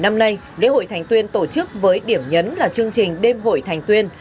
năm nay lễ hội thành tuyên tổ chức với điểm nhấn là chương trình đêm hội thành tuyên